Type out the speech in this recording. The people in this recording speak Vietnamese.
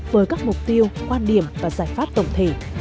với các mục tiêu quan điểm và giải pháp tổng thể